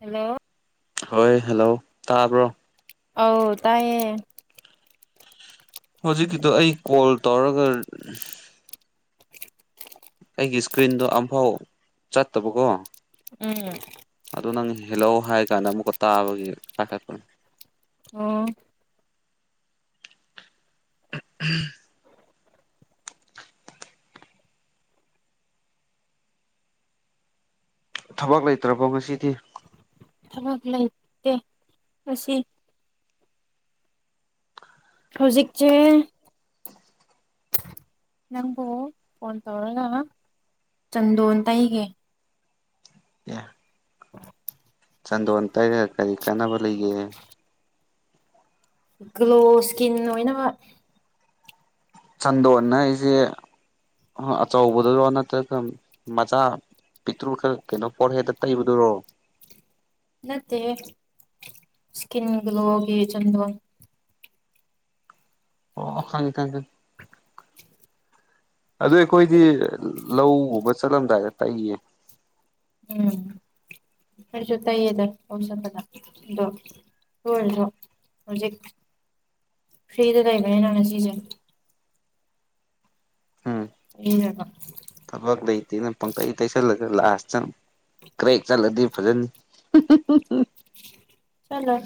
hello ꯍꯣꯏ hello ꯇꯥꯕ꯭ꯔꯣ ꯑꯥꯎ ꯇꯥꯏꯌꯦ ꯍꯧꯖꯤꯛꯀꯤꯗꯣ ꯑꯩ ꯀꯣꯜ ꯇꯧꯔꯒ ꯑꯩꯒꯤ ꯏꯁꯀ꯭ꯔꯤꯟꯗꯣ ꯑꯃꯝꯐꯥꯎ ꯆꯠꯇꯕꯀꯣ ꯎꯝ ꯑꯗꯨꯗ ꯅꯪ ꯍꯦꯜꯂꯣ ꯍꯥꯏ ꯀꯥꯟꯗ ꯑꯃꯨꯛꯀ ꯇꯥꯕꯒꯤ ꯄꯥꯈꯠꯄꯅꯤ ꯑꯣ [unintelligible] ꯊꯕꯛ ꯂꯩꯇ꯭ꯔꯕꯣ ꯉꯁꯤꯗꯤ ꯊꯕꯛ ꯂꯩꯇꯦ ꯑꯁꯤ ꯍꯧꯖꯤꯛꯇꯤ ꯅꯡꯕꯨ ꯐꯣꯟ ꯇꯧꯔꯒ ꯆꯟꯗꯣꯟ ꯇꯩꯒꯦ ꯌꯥ ꯆꯥꯟꯗꯣꯟ ꯇꯩꯔꯒ ꯀꯔꯤ ꯀꯥꯟꯅꯕ ꯂꯩꯒꯦ ꯒ꯭ꯂꯣ ꯏꯁꯀꯤꯟ ꯑꯣꯏꯅ ꯆꯟꯗꯣꯟ ꯍꯥꯏꯁꯦ ꯑꯆꯧꯕꯗꯔꯣ ꯅꯠꯇ꯭ꯔꯒ ꯃꯆꯥ ꯄꯇ꯭ꯔꯨ ꯈꯔꯥ ꯀꯩꯅꯣ ꯄꯔ ꯗꯥ ꯇꯕꯗꯨꯔꯣ ꯅꯠꯇꯦ ꯍꯦ ꯏꯁꯀꯤꯟ ꯒ꯭ꯂꯣꯒꯤ ꯆꯟꯗ ꯑꯣ ꯈꯉ ꯈꯒ ꯑꯗꯨ ꯑꯩꯈꯣꯏꯗꯤ ꯂꯧꯒꯨꯝꯕ ꯆꯠꯂꯝꯗꯥꯏꯗ ꯇꯩꯌꯦ ꯎꯝ ꯑꯩꯈꯣꯌꯁꯨ ꯇꯩꯌꯦꯗꯥ ꯂꯣꯏꯆꯠꯄꯗ ꯑꯗꯣ ꯀꯣꯏꯔꯣꯖꯦ ꯍꯧꯖꯤꯛ ꯐ꯭ꯔꯤꯗ ꯂꯩꯕꯅꯤ ꯅꯥ ꯉꯁꯤꯁꯦ ꯎꯝ [unintelligible] ꯊꯕꯛ ꯂꯩꯇꯦꯅ ꯄꯡ ꯇꯦꯁꯦꯂꯥ ꯂꯥꯁꯇꯥ ꯀ꯭ꯔꯦꯛ ꯆꯠꯂꯗꯤ ꯐꯖꯅꯤ ꯆꯂꯣꯏ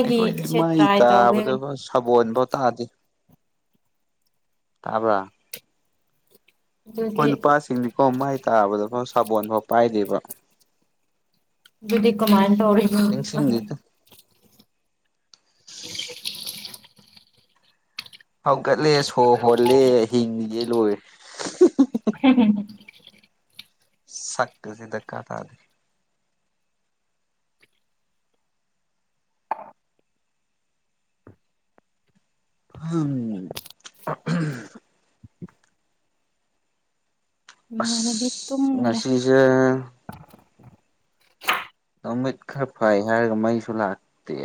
ꯑꯩꯈꯣꯏꯗꯤ ꯃꯩ ꯇ꯭ꯔꯥꯏ ꯇꯧꯒꯦ ꯇꯥꯕꯗ ꯁꯥꯒꯣꯟꯐꯥꯎ ꯇꯥꯗꯦ ꯇꯥꯕ ꯍꯣꯏ ꯑꯗꯨꯗꯤ ꯅꯨꯄꯥꯁꯤꯡꯅꯤꯀꯣ ꯃꯥꯏ ꯇꯥꯕꯗ ꯁꯥꯕꯣꯟꯐꯥꯎ ꯄꯥꯏꯗꯕ ꯑꯗꯨꯗꯤ ꯀꯃꯥꯏꯟ ꯇꯧꯔꯤꯕꯥ ꯅꯤꯡꯁꯤꯡꯗꯦꯗ [inaudible] ꯍꯧꯒꯠꯂꯦ ꯁꯣꯔ ꯍꯣꯜꯂꯦ ꯍꯤꯡꯂꯤꯒꯦ ꯂꯣꯏꯔꯦ ꯍꯝ [inaudible] ꯁꯀ ꯀꯁꯤ ꯗꯔꯀꯥꯔ ꯇꯥꯗꯦ [unintelligible] ꯏꯃꯥꯅꯕꯤ ꯑꯁ ꯇꯨꯡꯒꯔꯦ ꯉꯁꯤꯁꯦ ꯃꯃꯤꯠ ꯈꯔ ꯐꯩ ꯍꯥꯏꯔꯒ ꯃꯩꯁꯨ ꯂꯥꯛꯇꯦ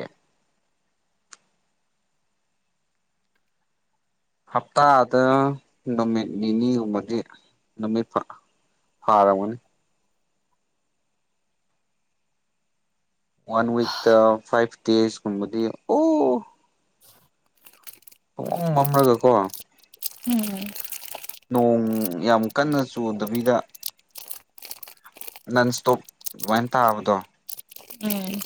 ꯍꯞꯇꯥꯗ ꯅꯨꯃꯤꯠ ꯅꯤꯅꯤꯒꯨꯝꯕꯗꯤ ꯅꯨꯃꯤꯠ ꯐꯥ ꯐꯔꯝꯒꯅꯤ ꯋꯥꯟ ꯋꯤꯛꯇ ꯐꯥꯏꯞ ꯗꯦꯁ ꯀꯕꯗꯤ ꯑꯣ [inaudible] ꯄꯨꯡꯃꯥꯝ ꯃꯝꯔꯒꯀꯣ ꯎꯝ ꯅꯣꯡ ꯌꯥꯝ ꯀꯟꯅ ꯆꯨꯗꯕꯤꯗ ꯅꯟ ꯏꯁꯇꯣꯛ ꯑꯦꯗꯨꯃꯥꯏꯟ ꯇꯥꯕꯗꯣ ꯎꯝ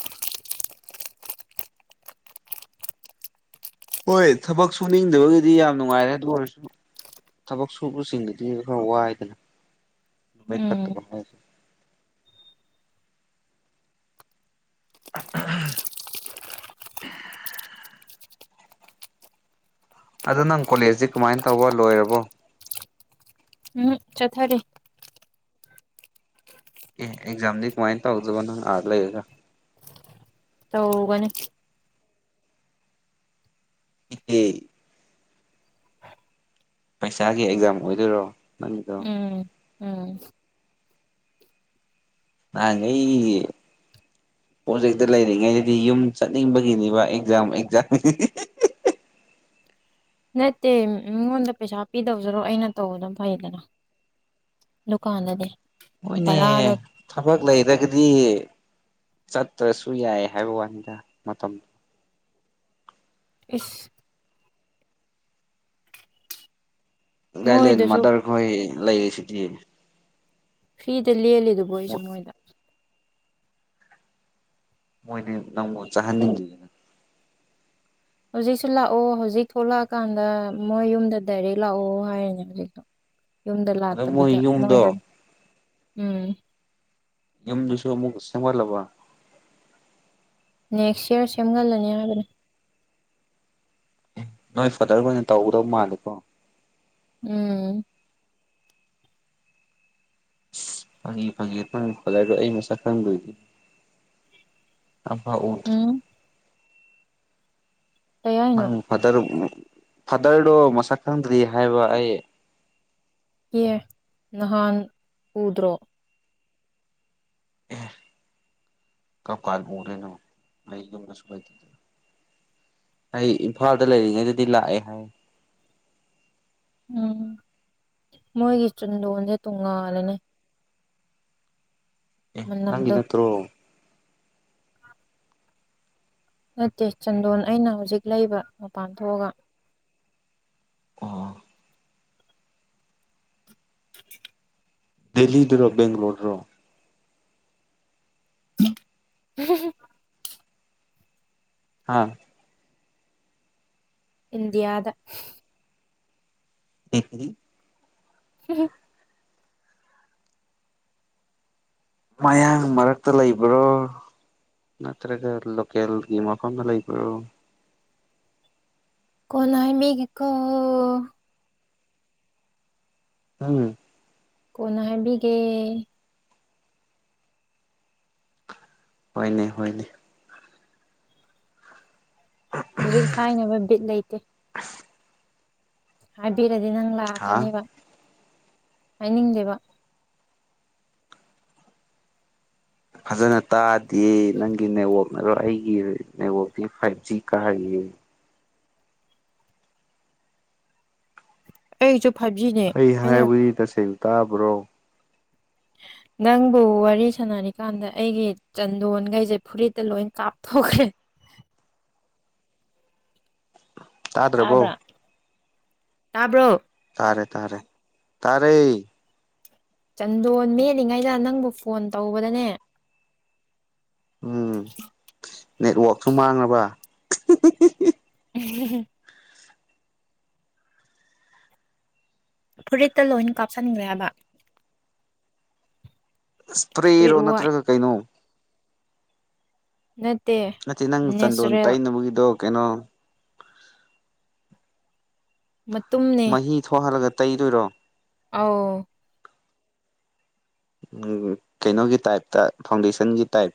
ꯍꯣꯏ ꯊꯕꯛ ꯁꯨꯅꯤꯡꯗꯕꯒꯤꯗꯤ ꯌꯥꯝ ꯅꯨꯡꯉꯥꯏꯔꯦ ꯑꯗꯨ ꯑꯣꯏꯔꯁꯨ ꯊꯕꯛ ꯁꯨꯕꯁꯤꯡꯒꯤꯗꯤ ꯈꯔ ꯋꯥꯏꯗꯅ ꯃ ꯎꯝ ꯐꯥꯇꯕ ꯍꯥꯏꯁꯤ ꯑꯗꯨ ꯅꯡ ꯀꯣꯂꯦꯖꯁꯤ ꯀꯃꯥꯏꯅ ꯇꯧꯕ ꯂꯣꯏꯔꯕꯣ ꯎꯝ ꯆꯠꯊꯔꯤ ꯑꯦ ꯑꯦꯛꯖꯥꯝꯗꯤ ꯀꯃꯥꯏꯅ ꯇꯧꯗꯕ ꯅꯡ ꯑꯥ ꯂꯩꯔꯒ ꯇꯧꯔꯨ ꯒꯅꯤ [inaudible] ꯄꯩꯁꯥꯒꯤ ꯑꯦꯛꯖꯥꯝ ꯑꯣꯏꯗꯣꯏꯔꯣ ꯅꯡꯒꯤꯗꯣ ꯎꯝ ꯎꯝ ꯃꯥꯉꯥꯏ ꯄꯣꯠꯖꯦꯛꯇ ꯂꯩꯔꯤꯉꯩꯗꯗꯤ ꯌꯨꯝ ꯆꯠꯅꯤꯡꯕꯒꯤꯅꯦꯕ ꯑꯦꯛꯖꯥꯝ ꯑꯦꯛꯖꯥꯝ [inaudible] ꯅꯠꯇꯦ ꯃꯤꯉꯣꯟꯗ ꯄꯩꯁꯥ ꯄꯤꯗꯧꯖꯔꯣ ꯑꯩꯅ ꯇꯧꯕꯅ ꯐꯩꯗꯅ ꯂꯨꯀꯥꯅꯗꯥꯗꯤ ꯍꯣꯏꯅꯦ ꯊꯕꯛ ꯂꯩꯔꯒꯗꯤ ꯆꯠꯇ꯭ꯔꯁꯨ ꯌꯥꯏ ꯍꯥꯏꯕ ꯋꯥꯅꯤꯗ ꯃꯇꯝ ꯏꯁ ꯒꯥꯏꯂꯦꯟ ꯃꯣꯏꯗꯁꯨ ꯃꯥꯗꯔꯈꯣꯏ ꯂꯩꯔꯤ ꯁꯤꯗꯤ ꯐꯤꯗ ꯂꯦꯜꯂꯤ ꯗꯨꯕꯨ ꯑꯩꯁꯨ ꯃꯣꯏꯗ ꯃꯣꯏꯗꯤ ꯅꯪꯕꯨ ꯆꯥꯍꯟꯅꯤꯡꯗꯤꯌꯦ ꯍꯧꯖꯤꯛꯁꯨ ꯂꯥꯛꯑꯣ ꯍꯧꯖꯤꯛ ꯊꯣꯛꯂꯛꯑꯀꯥꯟꯗ ꯃꯣꯏ ꯌꯨꯝꯗ ꯗꯥꯏꯔꯦꯛ ꯂꯥꯛꯑꯣ ꯍꯥꯏꯔꯤꯅꯦ ꯍꯧꯖꯤꯛ ꯌꯨꯝꯗ ꯑꯗꯣ ꯃꯣꯏ ꯂꯥꯛꯇꯕꯤꯗ ꯃꯣꯏꯗ ꯌꯨꯝꯗꯣ ꯎꯝ ꯌꯨꯝꯗꯨꯁꯨ ꯑꯃꯨꯛ ꯁꯦꯝꯒꯠꯂꯕ ꯅꯦꯛꯁ ꯏꯌꯥꯔ ꯁꯦꯝꯒꯜꯂꯅꯤ ꯍꯥꯏꯕꯅꯤ ꯅꯣꯏ ꯐꯥꯗꯔꯈꯣꯅ ꯑꯣꯏꯅ ꯇꯧꯒꯗꯧ ꯃꯥꯜꯂꯦꯀꯣ ꯎꯝ ꯐꯒꯤ ꯐꯒꯤ ꯅꯣꯏ ꯐꯗꯔꯗꯣ ꯑꯩ ꯃꯁꯥꯛ ꯈꯪ ꯗꯣꯏꯗꯤ ꯑꯝꯐꯧ ꯎꯗꯔꯤ ꯎꯝ ꯀꯩ ꯍꯥꯏꯅꯣ ꯅꯪ ꯐꯥꯗꯔ ꯎ ꯐꯥꯗꯔꯗꯣ ꯃꯁꯛ ꯈꯪꯗ꯭ꯔꯤ ꯍꯥꯏꯕ ꯑꯩ ꯑꯦ ꯅꯍꯥꯟ ꯎꯗ꯭ꯔꯣ [unintelligible] ꯀꯝꯀꯥꯜ ꯎꯗꯣꯏꯅꯣ ꯑꯩ ꯌꯨꯝꯗꯁꯨ ꯂꯩꯇꯦ ꯑꯩ ꯏꯝꯐꯥꯜꯗ ꯂꯩꯔꯤꯉꯩꯗꯗꯤ ꯂꯥꯛꯑꯦ ꯍꯥꯏ ꯎꯝ ꯃꯣꯏꯒꯤ ꯆꯨꯟꯗꯣꯟꯁꯦ ꯇꯣꯡꯉꯥꯜꯂꯅꯦ ꯑꯦ ꯅꯪꯒꯤ ꯃꯅꯝꯗꯣ ꯅꯠꯇꯔꯣ ꯅꯠꯇꯦ ꯆꯟꯗꯣꯟ ꯑꯩꯅ ꯍꯧꯖꯤꯛ ꯂꯩꯕ ꯃꯄꯥꯟ ꯊꯣꯛꯑꯒ [unintelligible] [unintelligible] ꯗꯦꯜꯂꯤꯗꯨꯔꯣ ꯕꯦꯡ꯭ꯒꯂꯔꯣꯗꯔꯣ [unintelligible] ꯍꯥ ꯏꯟꯗꯤꯌꯥꯗ [unintelligible] [unintelligible] ꯃꯌꯥꯡ ꯃꯔꯛꯇ ꯂꯩꯕ꯭ꯔꯣ ꯅꯠꯇ꯭ꯔꯒ ꯂꯣꯀꯦꯜꯒꯤ ꯃꯐꯝꯗ ꯂꯩꯕꯔꯣ ꯀꯣꯅꯥ ꯍꯥꯏꯃꯤꯒꯤꯀꯣ ꯎꯝ ꯀꯣꯅ ꯍꯥꯏꯕꯤꯒꯦ ꯍꯣꯏꯅꯦ ꯍꯣꯏꯅꯦ ꯍꯧꯖꯤꯛ ꯍꯥꯏꯅꯕ ꯕꯤꯠ ꯂꯩꯇꯦ ꯍꯥꯏꯕꯤꯔꯗꯤ ꯅꯪ ꯍꯥ ꯂꯥꯛꯀꯅꯤꯕ ꯍꯥꯏꯅꯤꯡꯗꯦꯕ ꯐꯖꯅ ꯇꯥꯗꯤꯌꯦ ꯅꯪꯒꯤ ꯅꯦꯋꯥꯛ ꯑꯗꯣ ꯑꯩꯒꯤ ꯅꯦꯋꯥꯛꯇꯤ ꯐꯥꯏꯚ ꯖꯤ ꯀꯥꯔꯤꯌꯦ ꯑꯩꯖꯨꯞ ꯑꯩ ꯍꯥꯏꯕꯗꯤ ꯇꯁꯦꯡ ꯇꯥꯕ꯭ꯔꯣ [unintelligible] ꯅꯪꯕꯨ ꯋꯥꯔꯤ ꯁꯥꯟꯅꯔꯤꯀꯥꯟꯗ ꯑꯩꯒꯤ ꯆꯟꯗꯣꯟꯉꯩꯁꯦ ꯐꯨꯔꯤꯠꯇ ꯂꯣꯏ ꯀꯥꯞꯊꯣꯛꯈ꯭ꯔꯦ [unintelligible] ꯇꯥꯗ꯭ꯔꯕꯣ ꯇꯥꯕ꯭ꯔꯥ ꯇꯥꯕ꯭ꯔꯣ ꯇꯥꯔꯦ ꯇꯥꯔꯦ ꯇꯥꯔꯦ ꯆꯟꯗꯣꯟ ꯃꯦꯠꯂꯤꯉꯩꯗ ꯅꯪꯕꯨ ꯐꯣꯟ ꯇꯧꯕꯗꯅꯦ ꯎꯝ ꯅꯦꯠꯋꯥꯛꯁꯨ ꯃꯥꯡꯂꯕ [unintelligible] ꯐꯨꯔꯤꯠꯇꯥ ꯂꯣꯏꯅ ꯀꯥꯞꯁꯟꯅꯤꯡꯂꯦꯕ ꯏꯁꯄ꯭ꯔꯦꯔꯣ ꯋꯥꯏ ꯅꯠꯇ꯭ꯔꯒ ꯀꯩꯅꯣ ꯅꯠꯇꯦ ꯅꯠꯇꯦ ꯅꯪ ꯆꯟꯗꯣꯟ ꯅꯦꯆꯔꯦꯜ ꯇꯩꯅꯅꯕꯒꯤꯗꯣ ꯀꯩꯅꯣ [inaudible] ꯃꯍꯤ ꯊꯣꯛꯍꯜꯂꯒꯥ ꯇꯩꯗꯣꯏꯔꯣ ꯑꯧ ꯎꯝ ꯀꯩꯅꯣꯒꯤ ꯇꯥꯏꯞꯇ ꯐꯥꯎꯟꯗꯦꯁꯟꯒꯤ ꯇꯥꯏꯞ